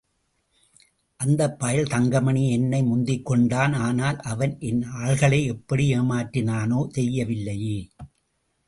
அந்தப் பயல் தங்கமணி என்னை முந்திக்கொண்டான்... ஆனால் அவன் என் ஆள்களை எப்படி ஏமாற்றினானோ தெரியவில்லையே!